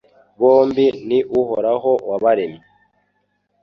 bombi ni Uhoraho wabaremye